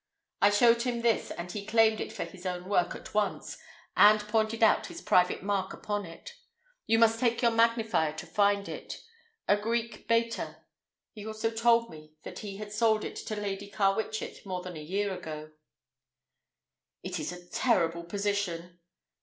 I showed him this, and he claimed it for his own work at once, and pointed out his private mark upon it. You must take your magnifier to find it; a Greek Beta. He also told me that he had sold it to Lady Carwitchet more than a year ago." "It is a terrible position."